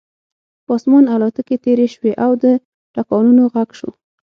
په آسمان الوتکې تېرې شوې او د ټانکونو غږ شو